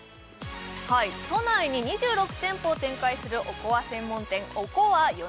都内に２６店舗を展開するおこわ専門店おこわ米